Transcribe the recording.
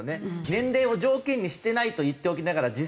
年齢を条件にしてないと言っておきながら実際はしてる。